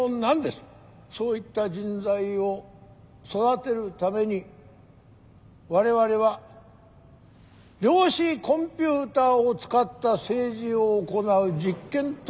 そういった人材を育てるために我々は量子コンピューターを使った政治を行う実験都市を造り上げました。